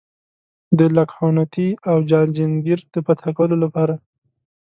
د لکهنوتي او جاجینګر د فتح کولو لپاره.